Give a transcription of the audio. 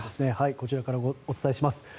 こちらからお伝えします。